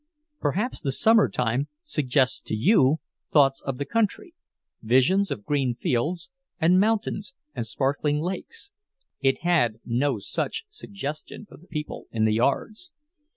Perhaps the summertime suggests to you thoughts of the country, visions of green fields and mountains and sparkling lakes. It had no such suggestion for the people in the yards.